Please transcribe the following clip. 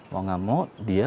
mau gak mau dia